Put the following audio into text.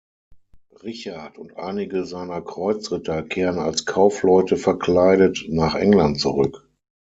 Richard und einige seiner Kreuzritter kehren als Kaufleute verkleidet nach England zurück.